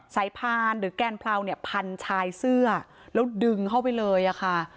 ใส่พาห์นหรือแก้นเเพลาพันทรายเสื้อแล้วดึงเข้าไปเลยนะคะ